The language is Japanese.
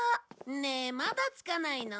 ねえまだつかないの？